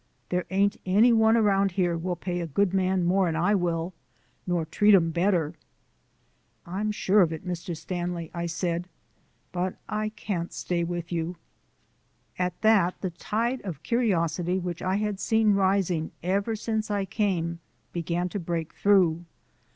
There ain't any one around here will pay a good man more'n I will, nor treat 'im better." "I'm sure of it, Mr. Stanley," I said, "but I can't stay with you." At that the tide of curiosity which I had seen rising ever since I came began to break through.